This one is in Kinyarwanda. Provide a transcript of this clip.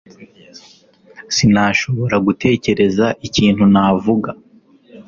Sinshobora gutekereza ikintu navuga